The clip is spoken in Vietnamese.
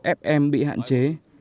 radio fm bị hạn chế